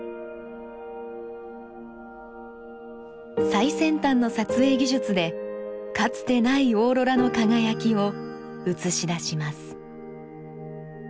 最先端の撮影技術でかつてないオーロラの輝きを映し出します。